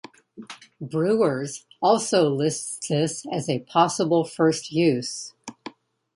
"Brewer's" also lists this as a possible first use.